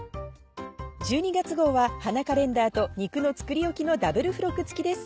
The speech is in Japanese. １２月号は花カレンダーと「肉の作りおき」のダブル付録付きです。